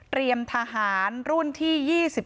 เตรียมทหารรุ่นที่๒๒